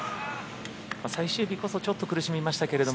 最終日こそちょっと苦しみましたけど。